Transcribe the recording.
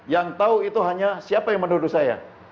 yang tahu itu hanya siapa yang menuduh saya